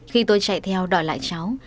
khi tôi chạy theo đòi lại cháu